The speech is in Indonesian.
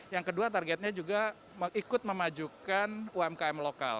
yang kedua targetnya juga ikut memajukan umkm lokal